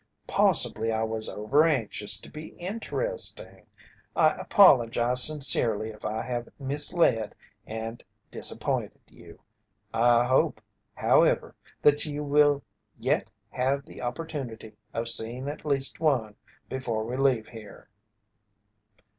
Possibly I was over anxious to be interesting. I apologize sincerely if I have misled and disappointed you. I hope, however, that you will yet have the opportunity of seeing at least one before we leave here."